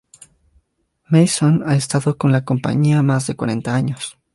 Mason ha estado con la compañía más de cuarenta años.